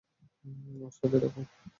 ওর সাথে থাকো।